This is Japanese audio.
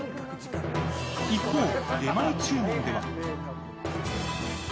一方、出前注文では。